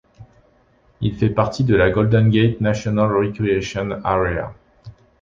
Il fait partie de la Golden Gate National Recreation Area.